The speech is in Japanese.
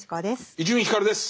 伊集院光です。